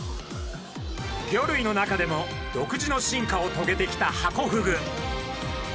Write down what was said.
魚類の中でも独自の進化をとげてきたハコフグ。